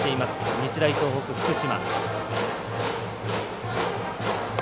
日大東北、福島。